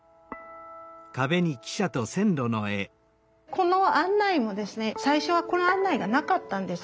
この案内もですね最初はこの案内がなかったんです。